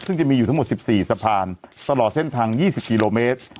ซึ่งจะมีอยู่ทั้งหมด๑๔สะพานตลอดเส้นทาง๒๐กิโลเมตร